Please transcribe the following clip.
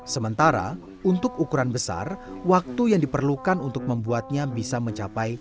sementara untuk ukuran besar waktu yang diperlukan untuk membuatnya bisa mencapai